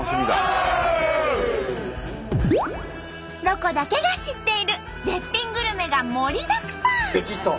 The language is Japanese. ロコだけが知っている絶品グルメが盛りだくさん！